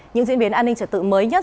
những diễn biến an ninh trật tự mới nhất